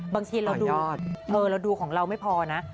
บางทีเราดูเราดูของเราไม่พอนะ